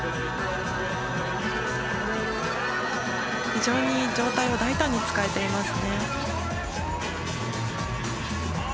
非常に上体を大胆に使えています。